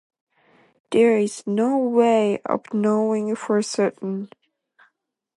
There is no way of knowing for certain.